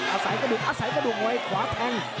อาศัยกระดุ่งอาศัยกระดุ่งไว้ขวาแทน